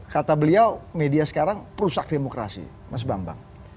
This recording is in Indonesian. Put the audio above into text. kata beliau media sekarang perusak demokrasi mas bambang